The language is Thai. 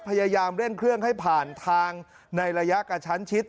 พยายามเร่งเครื่องให้ผ่านทางในระยะกระชั้นชิด